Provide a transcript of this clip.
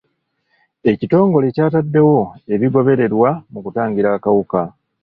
Ekitongole ky'ataddewo ebigobererwa mu kutangira akawuka.